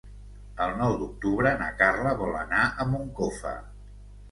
El nou d'octubre na Carla vol anar a Moncofa.